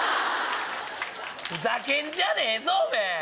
ふざけんじゃねえぞおめぇ！